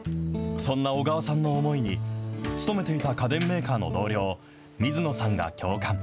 そんな小川さんの思いに、勤めていた家電メーカーの同僚、水野さんが共感。